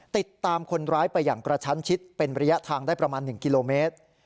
ติดตามคนร้ายไปอย่างกระชั้นชิดเป็นระยะทางได้ประมาณ๑กิโลเมตร